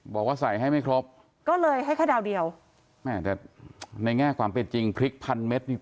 บอกว่าใส่ให้ไม่ครบก็เลยให้แค่ดาวเดียวแม่แต่ในแง่ความเป็นจริงพริกพันเม็ดนี่